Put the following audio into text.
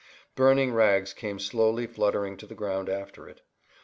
Burning rags came slowly fluttering to the ground after it.